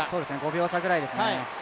５秒差くらいですね。